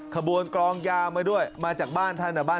ขบวนกลองยาวมาด้วยมาจากบ้านท่าน